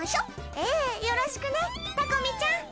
えぇよろしくねタコ美ちゃん。